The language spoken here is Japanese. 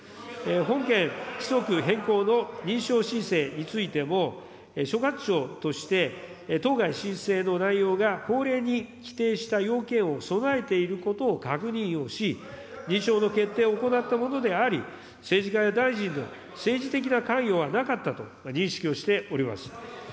本件、規則変更の認証申請についても、所轄庁として、当該申請の内容が法令に規定した要件を備えていることを確認をし、認証の決定を行ったものであり、政治家や大臣の政治的な関与はなかったと認識をしております。